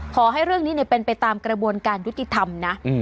ขอให้เรื่องนี้เป็นไปตามกระบวนการยุติธรรมนะ